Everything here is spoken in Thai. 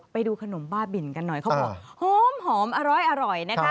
ไปดูขนมบ้าบินกันหน่อยเขาบอกหอมอร้อยนะคะ